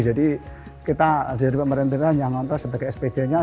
jadi kita dari pemerintahan yang nonton sebagai spj nya